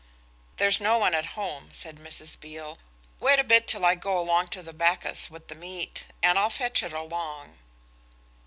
"There's no one at home," said Mrs. Beale; "wait a bit till I go along to the bakus with the meat, and I'll fetch it along."